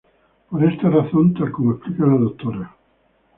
Por esta razón tal como explica la Dra.